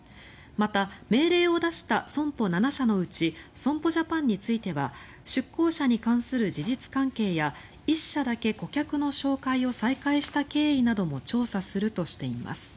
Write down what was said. また、命令を出した損保７社のうち損保ジャパンについては出向者に関する事実関係や１社だけ顧客の紹介を再開した経緯なども調査するとしています。